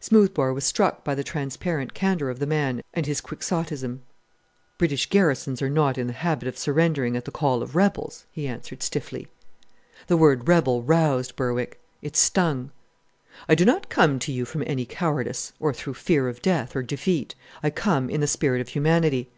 Smoothbore was struck by the transparent candour of the man and his quixotism. "British garrisons are not in the habit of surrendering at the call of rebels," he answered stiffly. The word "rebel" roused Berwick. It stung. "I do not come to you from any cowardice, or through fear of death, or defeat. I come in the spirit of humanity."